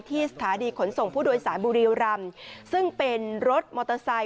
ที่สถานีขนส่งผู้โดยสารบุรีรำซึ่งเป็นรถมอเตอร์ไซค